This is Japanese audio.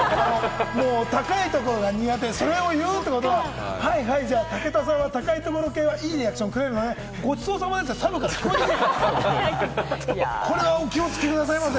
高いところが苦手、それを言うってことは武田さんは高いところは、いいリアクション、ごちそうさまってサブから聞こえてくる。